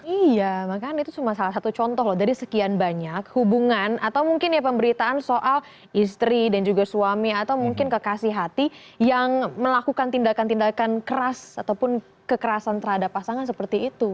iya makanya itu cuma salah satu contoh loh dari sekian banyak hubungan atau mungkin ya pemberitaan soal istri dan juga suami atau mungkin kekasih hati yang melakukan tindakan tindakan keras ataupun kekerasan terhadap pasangan seperti itu